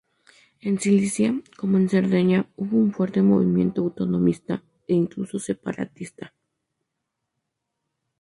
En Sicilia, como en Cerdeña, hubo un fuerte movimiento autonomista, e incluso separatista.